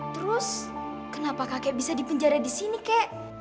terus kenapa kakek bisa dipenjara disini kek